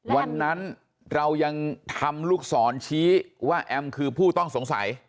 วันนั้นเรายังทำลูกศรชี้ว่าแอมคือผู้ต้องสงสัย